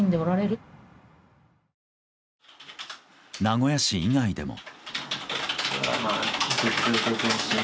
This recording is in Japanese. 名古屋市以外でも。